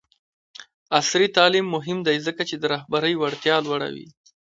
عصري تعلیم مهم دی ځکه چې د رهبرۍ وړتیا لوړوي.